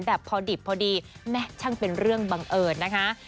แบบพอดิบพอดีแม่ช่างเป็นเรื่องบังเอิญนะคะ